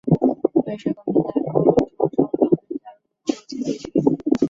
瑞士公民在公投中否决加入欧洲经济区。